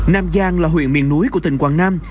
nam giang là huyện miền núi của tỉnh quảng nam